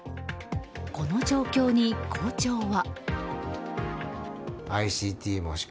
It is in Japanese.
この状況に校長は。